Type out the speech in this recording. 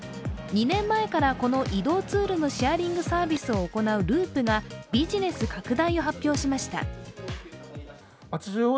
２年前からこの移動ツールのシェアリングサービスを行うＬＵＵＰがビジネス拡大を発表しました。